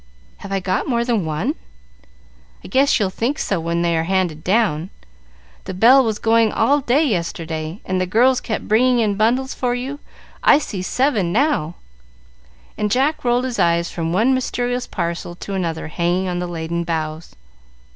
"Have I got more than one?" "I guess you'll think so when they are handed down. The bell was going all day yesterday, and the girls kept bringing in bundles for you; I see seven now," and Jack rolled his eyes from one mysterious parcel to another hanging on the laden boughs.